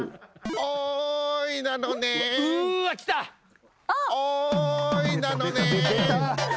おいなのねん。